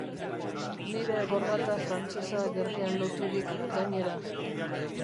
Nire gorbata frantsesa gerrian loturik, gainera.